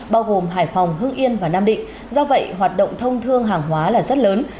bao gồm hải phòng hương yên và nam định do vậy hoạt động thông thương hàng hóa là rất lớn